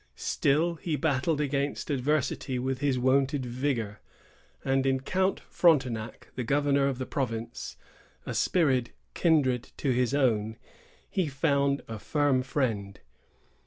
Still he battled against adversity with his wonted vigor, and in Count Frontenac, the governor of the province,——a spirit kindred to his own,——he found a firm friend.